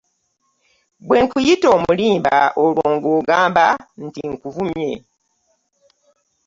Bwe nkuyita omulimba olwo nga ogamba nti nkuvumye?